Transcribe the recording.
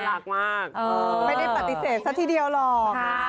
เป็นอย่างน่ารักมากไม่ได้ปฏิเสธซะทีเดียวหรอก